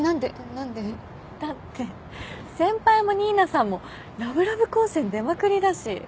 だって先輩も新名さんもラブラブ光線出まくりだし